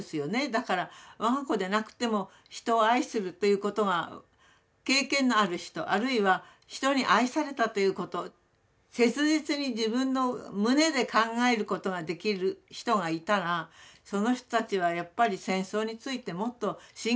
だから我が子でなくても人を愛するということが経験のある人あるいは人に愛されたということ切実に自分の胸で考えることができる人がいたらその人たちはやっぱり戦争についてもっと真剣に考えると思う。